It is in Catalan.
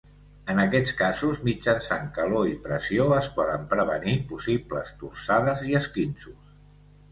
En aquests casos, mitjançant calor i pressió es poden prevenir possibles torçades i esquinços.